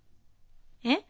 えっ？